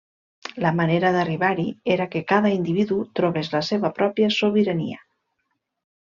La manera d'arribar-hi era que cada individu trobés la seva pròpia sobirania.